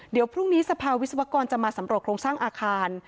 เดี๋ยวพรุ่งนี้สภาวิศวกรจะมาสำรวจโครงสร้างอาคาร